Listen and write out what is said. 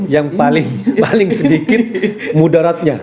yang paling sedikit mudaratnya